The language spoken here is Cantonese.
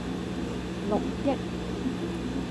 六億